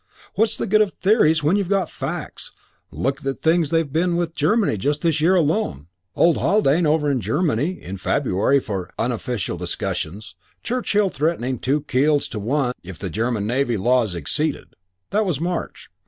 What's the good of theories when you've got facts? Look at the things there've been with Germany just this year alone. Old Haldane over in Germany in February for 'unofficial discussions', Churchill threatening two keels to one if the German Navy law is exceeded. That was March.